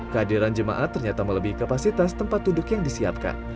kehadiran jemaat ternyata melebihi kapasitas tempat duduk yang disiapkan